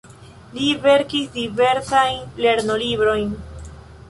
Li verkis diversajn lernolibrojn.